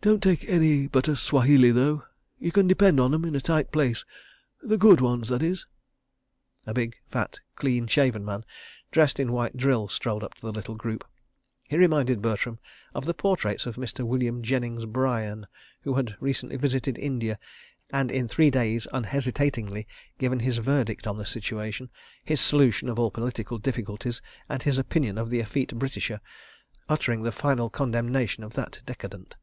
Don't take any but a Swahili, though. ... You can depend on 'em, in a tight place. The good ones, that is. ..." A big, fat, clean shaven man, dressed in white drill, strolled up to the little group. He reminded Bertram of the portraits of Mr. William Jennings Bryan who had recently visited India, and in three days unhesitatingly given his verdict on the situation, his solution of all political difficulties, and his opinion of the effete Britisher—uttering the final condemnation of that decadent.